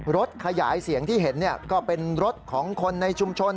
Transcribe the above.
รถขยายเสียงที่เห็นก็เป็นรถของคนในชุมชน